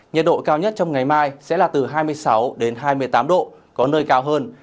nhiệt độ cao nhất trong ngày mai sẽ là từ hai mươi sáu đến hai mươi tám độ có nơi cao hơn